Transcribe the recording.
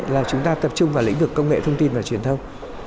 là chúng ta tập trung vào lĩnh vực công nghệ thông tin và truyền thông